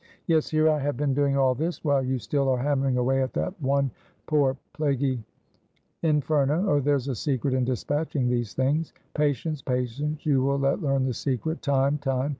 Yes, here I have been doing all this, while you still are hammering away at that one poor plaguy Inferno! Oh, there's a secret in dispatching these things; patience! patience! you will yet learn the secret. Time! time!